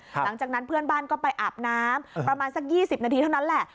หลังจากนั้นเพื่อนบ้านก็ไปอาบน้ำประมาณสัก๒๐นาทีเท่านั้นแหละ